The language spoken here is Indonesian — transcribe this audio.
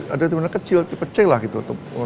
di situ ada terminal kecil tipe c lah gitu